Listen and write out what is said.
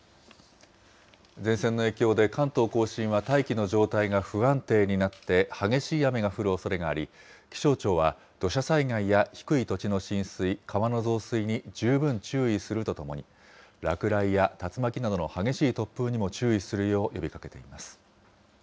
前線の影響で関東甲信は大気の状態が不安定になって激しい雨が降るおそれがあり、気象庁は土砂災害や低い土地の浸水、川の増水に十分注意するとともに、落雷や竜巻などの激しい突風にも注意するよう呼びかけています。